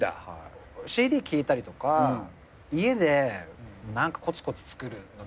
ＣＤ聴いたりとか家で何かコツコツ作るのみたいな。